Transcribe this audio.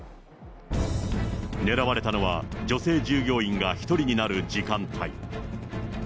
狙われたのは、女性従業員が１人になる時間帯。